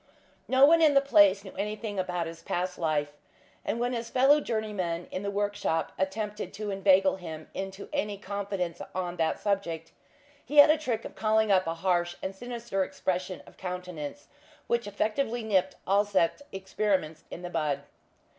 No one in the place knew anything about his past life, and when his fellow journeymen in the workshop attempted to inveigle him into any confidence on that subject, he had a trick of calling up a harsh and sinister expression of countenance which effectually nipped all such experiments in the bud.